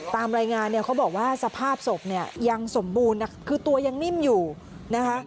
ตามรายงานเนี่ยเขาบอกว่าสภาพศพเนี่ยยังสมบูรณ์คือตัวยังนิ่มอยู่นะคะ